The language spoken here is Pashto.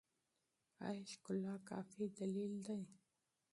ایا ښکلا کافي دلیل دی؟